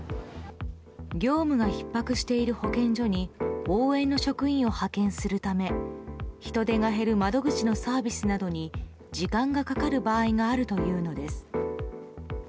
業務がひっ迫している保健所に応援の職員を派遣するため人手が減る窓口のサービスなどに時間がかかる場合があるというのです。